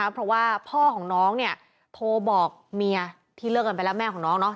เพราะว่าพ่อของน้องเนี่ยโทรบอกเมียที่เลิกกันไปแล้วแม่ของน้อง